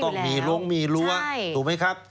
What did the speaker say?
ต้องมีลงมีรั้วถูกไหมครับ